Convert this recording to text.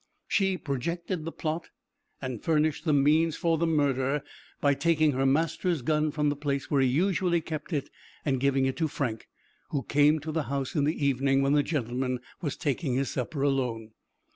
She projected the plot, and furnished the means for the murder, by taking her master's gun from the place where he usually kept it, and giving it to Frank, who came to the house in the evening, when the gentleman was taking his supper alone.